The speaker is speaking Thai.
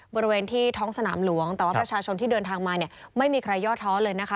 บริเวณที่ท้องสนามหลวงแต่ว่าประชาชนที่เดินทางมาเนี่ยไม่มีใครย่อท้อเลยนะคะ